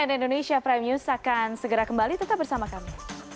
dan cnn indonesia prime news akan segera kembali tetap bersama kami